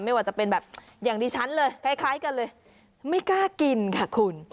ไม่ว่าจะเป็นแบบอย่างดิฉันเลยคล้ายกันเลยไม่กล้ากินค่ะคุณ